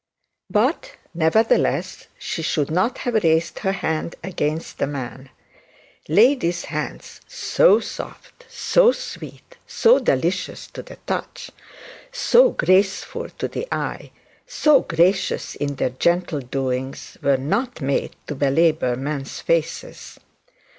But, nevertheless, she should not have raised her hand against the man. Ladies' hands so soft, so sweet, so delicious to the touch, so grateful to the eye, so gracious in their gentle doings, were not made to belabour men's faces.